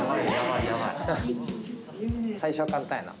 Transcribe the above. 最初は簡単やな。